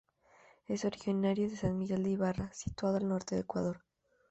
Es originario de San Miguel de Ibarra, situado al norte del Ecuador.